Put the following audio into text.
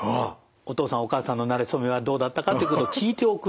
お父さんお母さんのなれ初めはどうだったかということを聞いておくと。